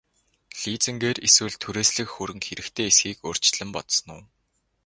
Лизингээр эсвэл түрээслэх хөрөнгө хэрэгтэй эсэхийг урьдчилан бодсон уу?